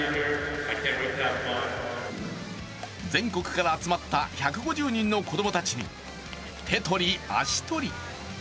全国から集まった１５０人の子供たちに手取り足取り。